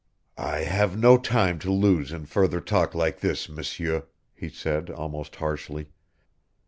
"I have no time to lose in further talk like this, M'seur," he said almost harshly.